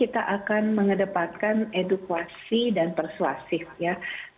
kita akan mengedepankan edukasi dan persuasif ya